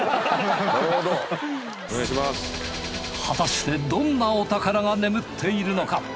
果たしてどんなお宝が眠っているのか？